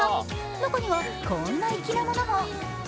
中には、こんな粋なものも。